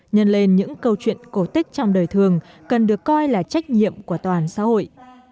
nhân lên những câu chuyện cổ tích trong đời thường cần được coi là trách nhiệm của toàn xã hội